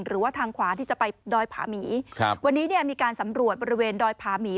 หรือว่าทางขวาที่จะไปดอยผาหมีครับวันนี้เนี่ยมีการสำรวจบริเวณดอยผาหมี